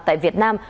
tại việt nam